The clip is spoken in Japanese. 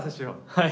はい。